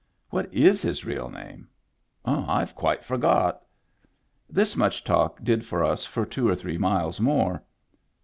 " What is his real name ?"" I've quite forgot." This much talk did for us for two or three miles more.